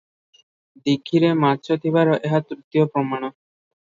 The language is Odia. ଦୀଘିରେ ମାଛ ଥିବାର ଏହା ତୃତୀୟ ପ୍ରମାଣ ।